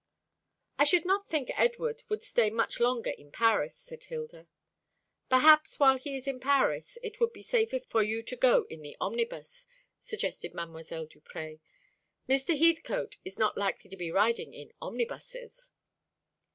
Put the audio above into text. "I should not think Edward would stay much longer in Paris," said Hilda. "Perhaps while he is in Paris it would be safer for you to go in the omnibus," suggested Mdlle. Duprez. "Mr. Heathcote is not likely to be riding in omnibuses."